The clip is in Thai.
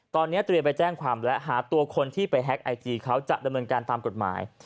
ตอนนี้เตรียมไปแจ้งความและหาตัวคนที่ไปแฮ็กไอจีเขาจะดำเนินการตามกฎหมาย